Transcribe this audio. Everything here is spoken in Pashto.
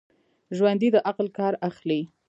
ژوندي د عقل کار اخلي